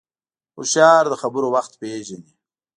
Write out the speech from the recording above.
هوښیار د خبرو وخت پېژني